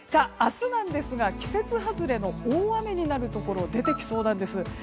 明日なんですが季節外れの大雨になるところが出てきそうなんです。